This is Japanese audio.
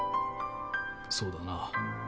そうだな。